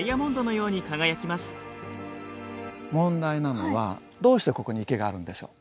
問題なのはどうしてここに池があるんでしょう？